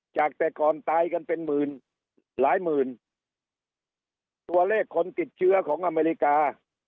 จากแต่ก่อนตายกันเป็นหมื่นหลายหมื่นตัวเลขคนติดเชื้อของอเมริกา